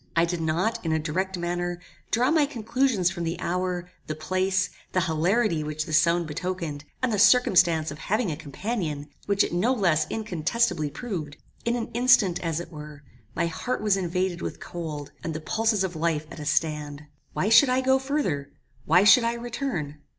I did not, in a direct manner, draw my conclusions from the hour, the place, the hilarity which this sound betokened, and the circumstance of having a companion, which it no less incontestably proved. In an instant, as it were, my heart was invaded with cold, and the pulses of life at a stand. "Why should I go further? Why should I return?